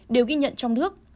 đều ghi nhận trong nước